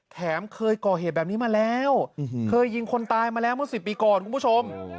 แถมเคยก่อเหตุแบบนี้มาแล้วเคยยิงคนตายมาแล้วเมื่อ๑๐ปีก่อนคุณผู้ชม